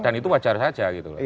dan itu wajar saja gitu